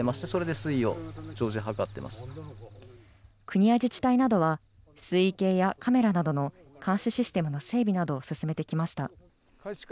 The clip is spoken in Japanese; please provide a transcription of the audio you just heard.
国や自治体などは、水位計やカメラなどの監視システムの整備などを進めてきました。